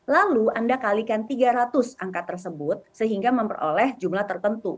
lalu anda kalikan tiga ratus angka tersebut sehingga memperoleh jumlah tertentu